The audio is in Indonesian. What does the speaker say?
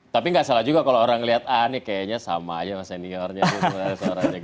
tapi tidak salah juga kalau orang melihat a ini kayaknya sama saja sama seniornya